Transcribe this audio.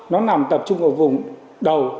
nó nằm tập trung ở vùng đầu